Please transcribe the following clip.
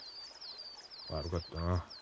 悪かったな。